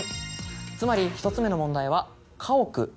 つまり１つ目の問題は「かおく」